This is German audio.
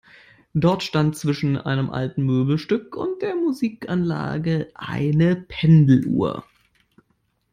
Dort stand zwischen einem alten Möbelstück und der Musikanlage eine Pendeluhr.